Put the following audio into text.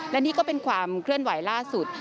และนี่ก็เป็นความเคลื่อนไหวล่าสุด